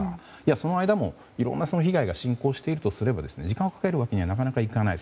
その間も、いろんな被害が進行しているとすれば時間をかけるわけにはなかなかいかない。